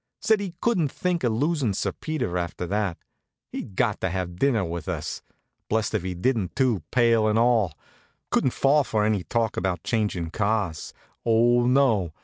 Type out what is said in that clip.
Said he couldn't think of losin' Sir Peter after that. He'd got to have dinner with us. Blessed if he didn't too, pail and all! Couldn't fall for any talk about changin' cars; oh, no!